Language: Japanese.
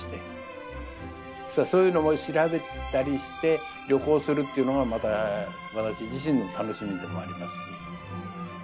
実はそういうのも調べたりして旅行するっていうのがまた私自身の楽しみでもありますし。